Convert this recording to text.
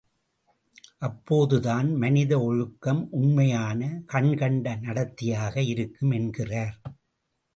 அப்போதுதான், மனித ஒழுக்கம் உண்மையான, கண்கண்ட நடத்தையாக இருக்கும் என்கிறார்.